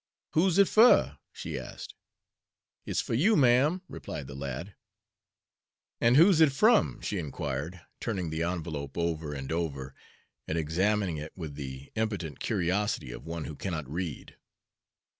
"Who's it fur?" she asked. "It's fuh you, ma'm," replied the lad. "An' who's it from?" she inquired, turning the envelope over and over, and examining it with the impotent curiosity of one who cannot read.